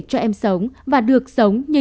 cho em sống và được sống như